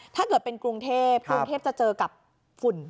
ถ้าเกิดเป็นกรุงเทพกรุงเทพจะเจอกับฝุ่น